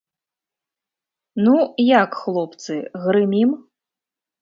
Ну, як, хлопцы, грымім?